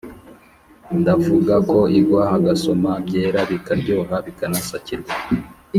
ndavugako igwa hagasoma byera bikaryoha bakanasakirwa